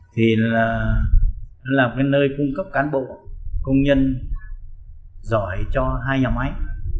thì là cái nơi cung cấp cán bộ công nhân giỏi cho hai nhà máy